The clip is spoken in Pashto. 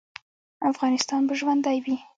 افغانستان به ژوندی وي